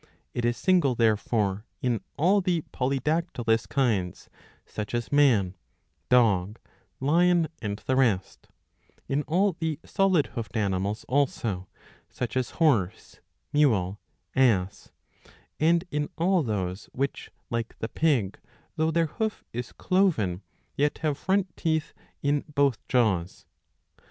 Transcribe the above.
It is single therefore in all the polydactylous kinds, such as man, dog, lion, and the rest ; in all the solid hoofed animals also, such as horse, mule, ass ; and in all those which like the pig, though their hoof is cloven, yet have front teeth in both jaws.